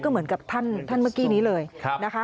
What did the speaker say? เหมือนกับท่านเมื่อกี้นี้เลยนะคะ